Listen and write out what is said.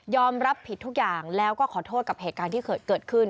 รับผิดทุกอย่างแล้วก็ขอโทษกับเหตุการณ์ที่เกิดขึ้น